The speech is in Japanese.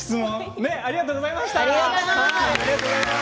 質問ありがとうございました。